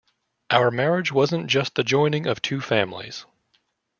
Our marriage wasn't just the joining of two families.